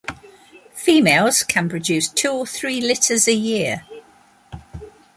Females can produce two or three litters a year.